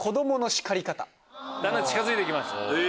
だんだん近づいてきました。